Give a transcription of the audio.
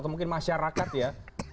atau mungkin masyarakat ya